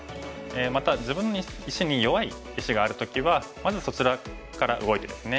また自分の石に弱い石がある時はまずそちらから動いてですね